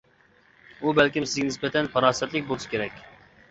ئۇ بەلكىم سىزگە نىسبەتەن پاراسەتلىك بولسا كېرەك.